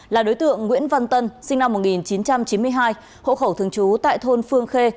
là đối tượng nguyễn văn tân sinh năm một nghìn chín trăm chín mươi hai hộ khẩu thường trú tại thôn phương khê